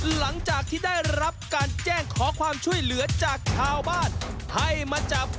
หลังจากที่ได้รับการแจ้งขอความช่วยเหลือจากชาวบ้านให้มาจับ